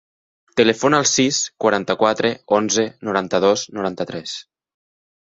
Telefona al sis, quaranta-quatre, onze, noranta-dos, noranta-tres.